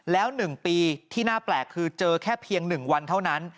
แล้ว๑ปีที่น่าแปลกคือเจอแค่เพียง๑วันเท่านั้น